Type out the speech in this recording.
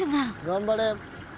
頑張れ。